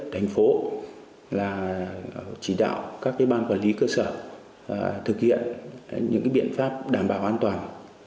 đành phố chỉ đạo các ban quản lý cơ sở thực hiện những biện pháp đảm bảo an toàn